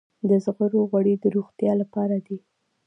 د زغرو غوړي د روغتیا لپاره دي.